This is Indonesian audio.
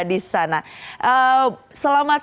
di sana selamat